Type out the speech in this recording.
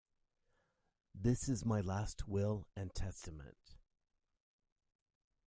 This is my last will and testament.